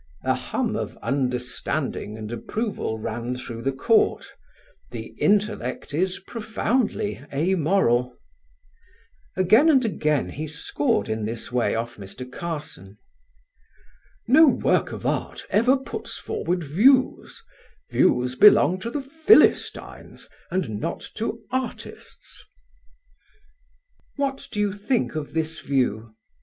A hum of understanding and approval ran through the court; the intellect is profoundly amoral. Again and again he scored in this way off Mr. Carson. "No work of art ever puts forward views; views belong to the Philistines and not to artists."... "What do you think of this view?"